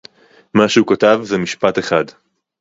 מה שהוא כתב זה משפט אחד